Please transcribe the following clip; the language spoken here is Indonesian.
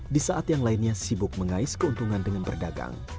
di saat yang lainnya sibuk mengais keuntungan dengan berdagang